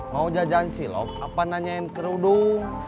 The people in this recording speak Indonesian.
mau jajan cilok apa nanyain kerudung